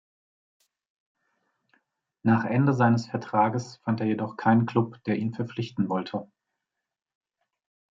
Nach Ende seines Vertrages fand er jedoch keinen Klub, der ihn verpflichten wollte.